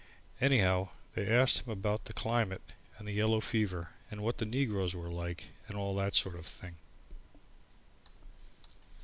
Anyhow, they asked him about the climate, and yellow fever and what the negroes were like and all that sort of thing.